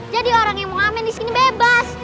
jadi orang yang mau amin disini bebas